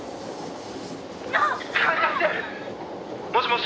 「もしもし？」